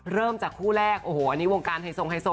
เริ่มจากคู่แรกโอ้โหอันนี้วงการไฮโซไฮโซ